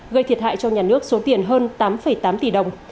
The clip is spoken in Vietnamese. gây thiệt hại cho nhà nước số tiền hơn tám tám tỷ đồng